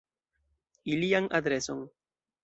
Ilian adreson.